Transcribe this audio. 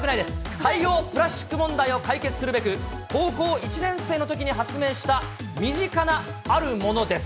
海洋プラスチック問題を解決するべく、高校１年生のときに発明した、身近なあるものです。